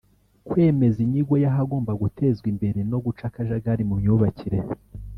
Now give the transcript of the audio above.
kwemeza inyigo y’ahagomba gutezwa imbere no guca akajagari mu myubakire